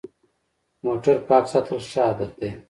موټر پاک ساتل ښه عادت دی.